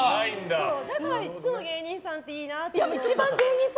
だからいつも芸人さんっていいなって。